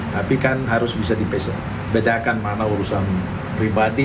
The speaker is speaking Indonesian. tapi kan harus bisa dibedakan mana urusan pribadi